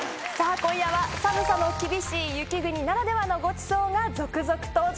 今夜は寒さの厳しい雪国ならではのごちそうが続々登場。